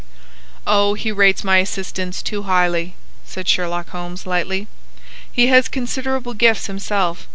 "Oh, he rates my assistance too highly," said Sherlock Holmes, lightly. "He has considerable gifts himself.